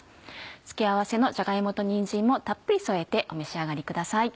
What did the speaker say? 付け合わせのじゃが芋とにんじんもたっぷり添えてお召し上がりください。